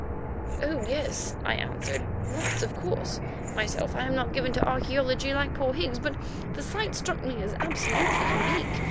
"Oh, yes," I answered, "lots! Of course, myself, I am not given to archæology, like poor Higgs, but the sight struck me as absolutely unique.